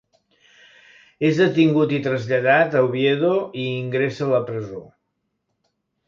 És detingut i traslladat a Oviedo i ingressa a la presó.